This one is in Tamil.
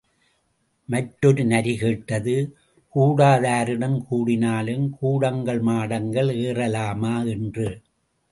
மற்றொரு நரி கேட்டது கூடாதாருடன் கூடினாலும் கூடங்கள் மாடங்கள் ஏறலாமா? என்று.